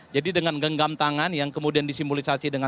jadi dengan genggam tangan yang kemudian disimulisasi dengan pengembangan